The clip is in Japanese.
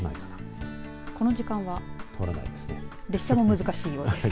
この時間は列車も難しいようです。